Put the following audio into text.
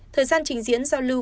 thời gian trình diễn giao lưu